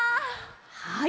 はい。